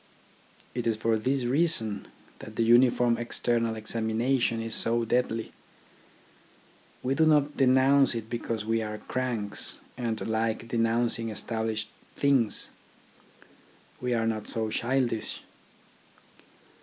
It is for this reason that the uniform external examination is so deadly. We do not denounce it because we are cranks, and like denouncing established things. We are not so childish.